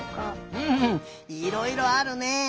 うんいろいろあるね。